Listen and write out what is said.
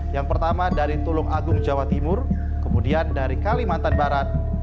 yang pertama dari tulung agung jawa timur kemudian dari kalimantan barat